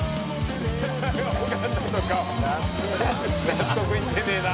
納得いってねえな